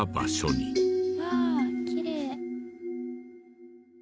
わあきれい。